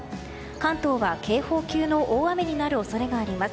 関東は警報級の大雨になる恐れがあります。